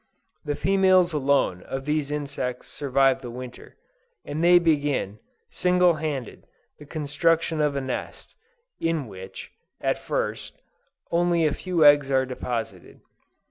The females alone of these insects survive the winter, and they begin, single handed, the construction of a nest, in which, at first, only a few eggs are deposited.